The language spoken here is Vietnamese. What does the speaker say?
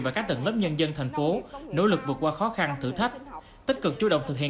và các tầng lớp nhân dân thành phố nỗ lực vượt qua khó khăn thử thách tích cực chủ động thực hiện